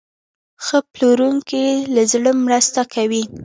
ښه پلورونکی له زړه مرسته کوي.